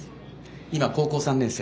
今、高校３年生。